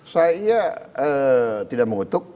saya tidak mengutuk